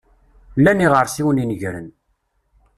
Llan yiɣersiwen inegren.